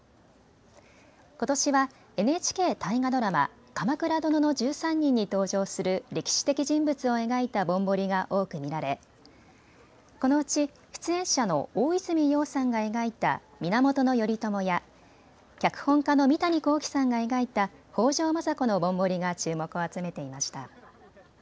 ことしはＮＨＫ大河ドラマ、鎌倉殿の１３人に登場する歴史的人物を描いたぼんぼりが多く見られ、このうち出演者の大泉洋さんが描いた源頼朝や脚本家の三谷幸喜さんが描いた北条政子のぼんぼりが注目を集めていました。